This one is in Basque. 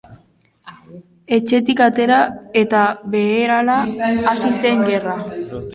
Etxetik atera eta berehala hasi zen gerra.